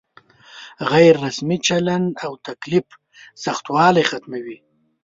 غیر رسمي چلن او تکلف سختوالی ختموي.